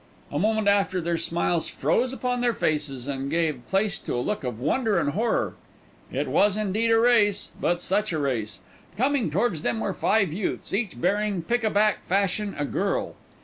A moment after their smiles froze upon their faces and gave place to a look of wonder and of horror. It was indeed a race; but such a race! Coming towards them were five youths, each bearing, pick a back fashion, a girl.